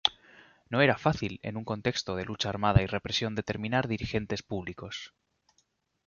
No era fácil en un contexto de lucha armada y represión determinar dirigentes públicos.